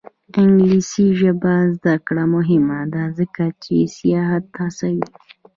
د انګلیسي ژبې زده کړه مهمه ده ځکه چې سیاحت هڅوي.